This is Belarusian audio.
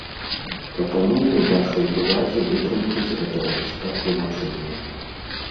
Прапануем вашай увазе вытрымкі з гэтага ліста-тлумачэння.